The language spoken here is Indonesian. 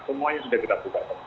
semuanya sudah kita buka